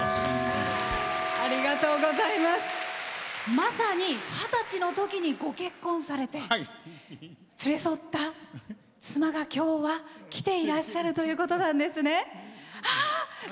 まさに二十歳のときにご結婚されて連れ添った妻が今日は来ていらっしゃるということなんですね。